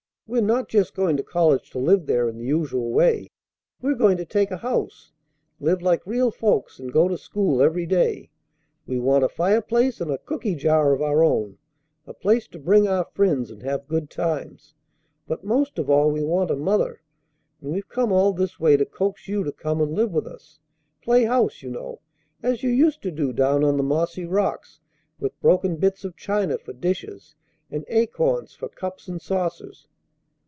We're not just going to college to live there in the usual way; we're going to take a house, live like real folks, and go to school every day. We want a fireplace and a cooky jar of our own; a place to bring our friends and have good times. But most of all we want a mother, and we've come all this way to coax you to come and live with us, play house, you know, as you used to do down on the mossy rocks with broken bits of china for dishes and acorns for cups and saucers.